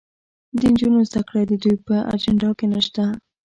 د نجونو زدهکړه د دوی په اجنډا کې نشته.